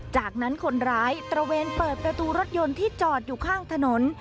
จากนั้นคนร้ายตระเวนเปิดประตูรถยนต์ที่จอดอยู่ข้างถนน